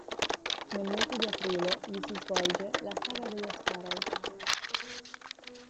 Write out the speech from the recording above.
Nel mese di aprile vi si svolge la "Sagra degli asparagi".